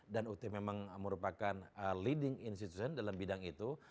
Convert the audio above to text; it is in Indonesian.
dan ut memang merupakan leading institution dalam bidang itu